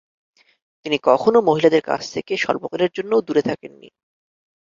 তিনি কখনও মহিলাদের কাছ থেকে স্বল্পকালের জন্যও দূরে থাকেননি।